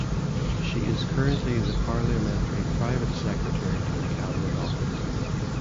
She is currently the Parliamentary Private Secretary to the Cabinet Office.